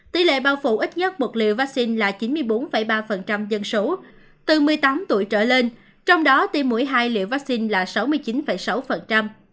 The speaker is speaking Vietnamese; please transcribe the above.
tỷ lệ bao phủ ít nhất một liều vaccine là chín mươi bốn ba dân số từ một mươi tám tuổi trở lên trong đó tiêm mũi hai liều vaccine là sáu mươi chín sáu